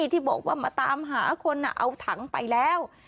ที่บอกว่ามาตามหาคนเอาถังไปแล้ว